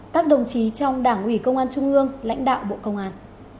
các đồng chí trong đảng ủy công an trung ương lãnh đạo bộ công an